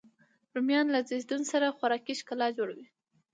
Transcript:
رومیان له زیتون سره خوراکي ښکلا جوړوي